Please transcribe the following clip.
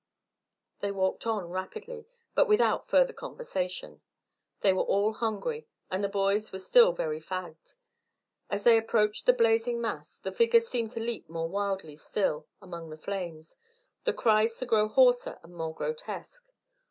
They walked on rapidly, but without further conversation; they were all hungry, and the boys were still very fagged. As they approached the blazing mass, the figure seemed to leap more wildly still among the flames, the cries to grow hoarser and more grotesque.